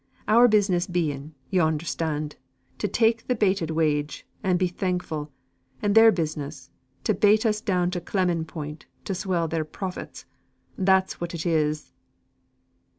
Our business being, yo understand, to take the bated wage, and be thankful; and their business to bate us down to clemming point, to swell their profits. That's what it is."